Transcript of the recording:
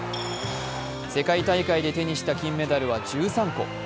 世界大会で手にした金メダルは１３個。